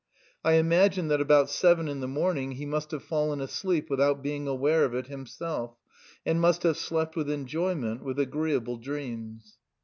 I imagine that about seven in the morning he must have fallen asleep without being aware of it himself, and must have slept with enjoyment, with agreeable dreams.